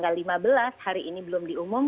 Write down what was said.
kami sudah melakukan pengumuman di rumah